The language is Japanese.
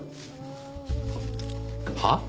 はっ？